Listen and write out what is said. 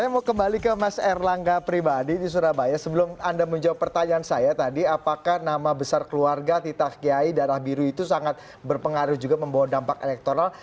saya mau kembali ke mas erlangga pribadi di surabaya sebelum anda menjawab pertanyaan saya tadi apakah nama besar keluarga titah kiai darah biru itu sangat berpengaruh juga membawa dampak elektoral